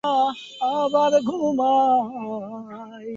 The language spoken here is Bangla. ঐ মৌসুমেই তিনি দলের ব্যাটিং গড়ে শীর্ষস্থান লাভ করেন।